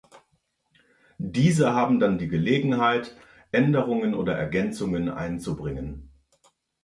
Diese haben dann die Gelegenheit, Änderungen oder Ergänzungen einzubringen.